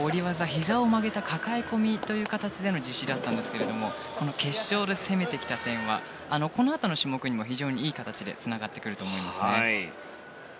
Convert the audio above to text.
ひざを曲げたかかえ込みという形での実施だったんですけども、決勝で攻めてきた点はこのあとの種目にも非常にいい形でつながってくると思います。